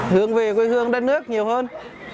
hướng về quê hương đất nước nhiều hơn